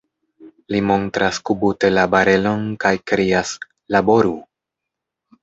Li montras kubute la barelon kaj krias: Laboru!